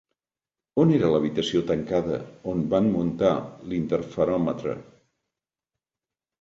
On era l'habitació tancada on van muntar l'interferòmetre?